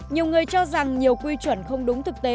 nhiều người cho rằng nhiều quy chuẩn không đúng thực tế